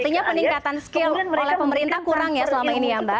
artinya peningkatan skill oleh pemerintah kurang ya selama ini ya mbak